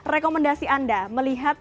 rekomendasi anda melihat